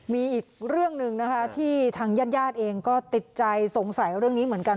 มีอีกเรื่องหนึ่งนะคะที่ทางญาติญาติเองก็ติดใจสงสัยเรื่องนี้เหมือนกัน